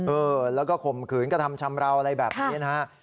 เออแล้วก็ข่มขืนกระทำชำราวอะไรแบบนี้นะฮะ